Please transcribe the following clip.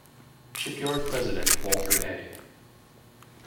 Shipyard president Walter A.